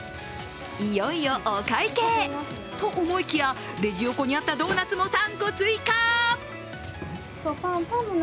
いよいよお会計と思いきやレジ横にあったドーナツも３個追加！